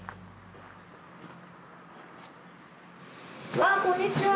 わあこんにちは